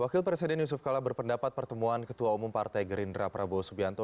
wakil presiden yusuf kala berpendapat pertemuan ketua umum partai gerindra prabowo subianto